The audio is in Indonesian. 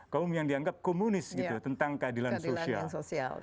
kaum yang dianggap komunis gitu tentang keadilan sosial